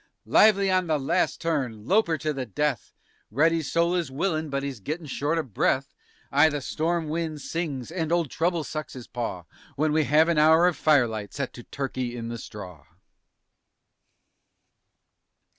Lively on the last turn! lope 'er to the death! (Reddy's soul is willin' but he's gettin' short o' breath.) Ay, the storm wind sings and old trouble sucks his paw _When we have an hour of firelight set to "Turkey in the Straw!"